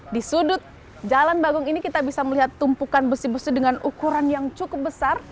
di sudut jalan bagong ini kita bisa melihat tumpukan besi besi dengan ukuran yang cukup besar